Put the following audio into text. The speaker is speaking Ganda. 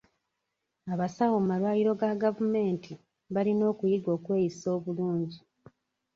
Abasawo mu malwaliro ga gavumenti balina okuyiga okweyisa obulungi.